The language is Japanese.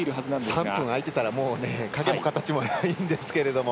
３分空いてたら影も形もないんですけど。